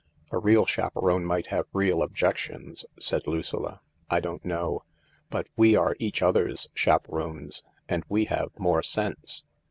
"A real chaperone might have real objections," said Lucilla ." I don't know. But we are each other's chaperones — and we have more sense."